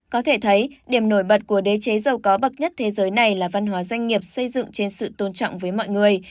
có thể thấy điểm nổi bật của đế chế giàu có bậc nhất thế giới này là văn hóa doanh nghiệp xây dựng trên sự tôn trọng với mọi người